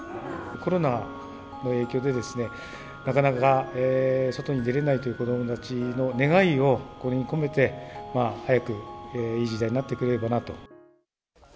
コロナの影響でですね、なかなか外に出れないという子どもたちの願いをこれに込めて、早くいい時代になってくれればなと。